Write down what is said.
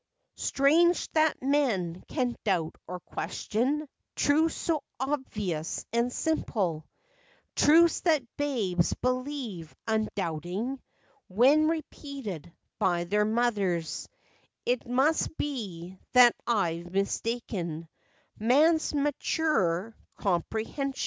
Strange that men can doubt or question, Truths so obvious and simple; Truths that babes believe, undoubting, When repeated by their mothers— It must be that I 've mistaken Man's maturer comprehension.